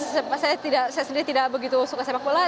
saya sendiri tidak begitu suka sepak bola